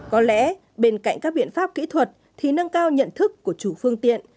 có lẽ bên cạnh các biện pháp kỹ thuật thì nâng cao nhận thức của chủ phương tiện